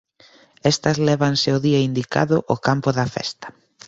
Estas lévanse o día indicado ao campo da festa.